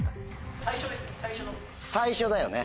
最初だよね？